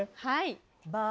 はい。